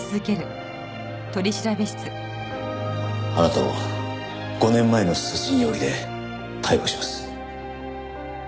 あなたを５年前の殺人容疑で逮捕します。